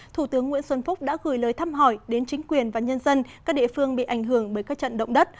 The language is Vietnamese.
thủ tướng nguyễn xuân phúc đã gửi lời thăm hỏi đến chính quyền và nhân dân các địa phương bị ảnh hưởng bởi các trận động đất